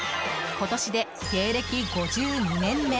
今年で芸歴５２年目。